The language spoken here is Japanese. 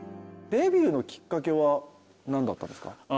デビューのきっかけは何だったんですか？